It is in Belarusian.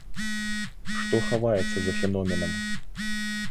Што хаваецца за феноменам?